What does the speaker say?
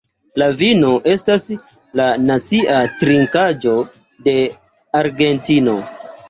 La vino estas la nacia trinkaĵo de Argentino.